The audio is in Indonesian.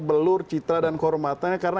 belur citra dan kehormatannya karena